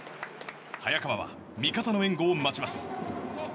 早川は味方の援護を待ちます。